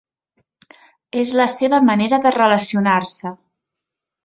És la seva manera de relacionarse.